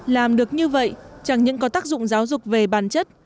làm được như vậy chẳng những có tác dụng giáo dục về bản chất